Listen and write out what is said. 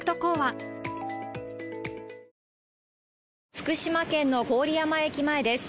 福島県の郡山駅前です。